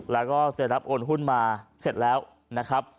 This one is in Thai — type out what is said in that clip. แล้วก็เสร็จรับโอนหุ้นมาเสร็จแล้วนะครับ